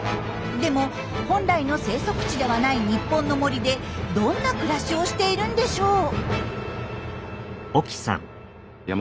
でも本来の生息地ではない日本の森でどんな暮らしをしているんでしょう。